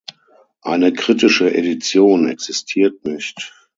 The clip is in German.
Eine kritische Edition existiert nicht.